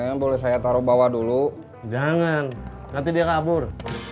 bawas ayo boleh saya taruh bawah dulu jangan nanti dia kabur